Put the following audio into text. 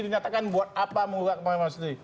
dinyatakan buat apa menggugat ke makam konstitusi